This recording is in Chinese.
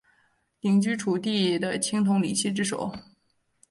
鼎居楚地的青铜礼器之首。